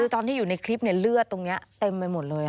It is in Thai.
คือตอนที่อยู่ในคลิปเลือดตรงนี้เต็มไปหมดเลย